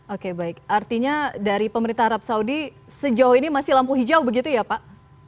oke baik artinya dari pemerintah arab saudi sejauh ini masih lampu hijau begitu ya pak